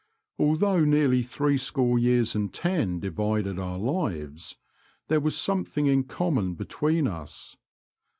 Although nearly three score years and ten divided our lives, there was something in common between us.